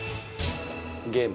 ゲーム。